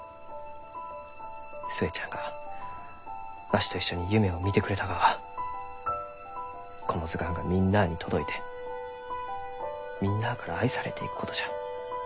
寿恵ちゃんがわしと一緒に夢をみてくれたがはこの図鑑がみんなあに届いてみんなあから愛されていくことじゃ。